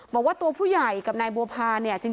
บอกว่าตัวผู้ใหญ่กับนายบัวพาเนี่ย